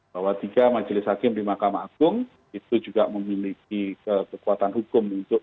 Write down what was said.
bahwa tiga majelis hakim di mahkamah agung itu juga memiliki kekuatan hukum